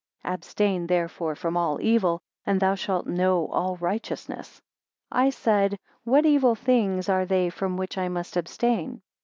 Abstain therefore from all evil, and thou shalt know all righteousness. 3 I said, What evil things are they from which I must abstain?